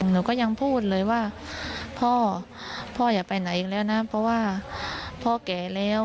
หนูก็ยังพูดเลยว่าพ่อพ่ออย่าไปไหนอีกแล้วนะเพราะว่าพ่อแก่แล้ว